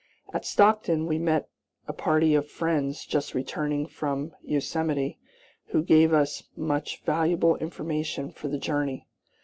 At Stockton we met a party of friends just returning from the Yosemite, who gave us much valuable information for the journey.